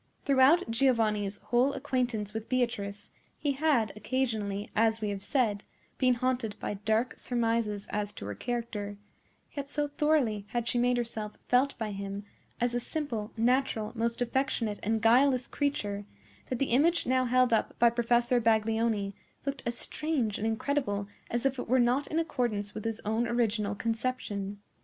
Throughout Giovanni's whole acquaintance with Beatrice, he had occasionally, as we have said, been haunted by dark surmises as to her character; yet so thoroughly had she made herself felt by him as a simple, natural, most affectionate, and guileless creature, that the image now held up by Professor Baglioni looked as strange and incredible as if it were not in accordance with his own original conception.